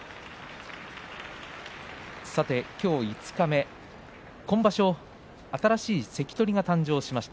今日五日目、今場所新しい関取が誕生しました。